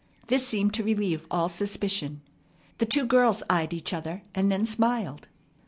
This seemed to relieve all suspicion. The two girls eyed each other, and then smiled.